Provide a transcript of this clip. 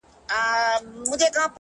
مجموعه ده د روحونو په رگو کي’